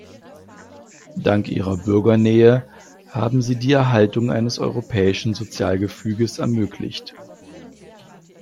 Dank ihrer Bürgernähe haben sie die Erhaltung eines europäischen Sozialgefüges ermöglicht.